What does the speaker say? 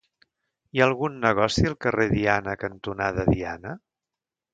Hi ha algun negoci al carrer Diana cantonada Diana?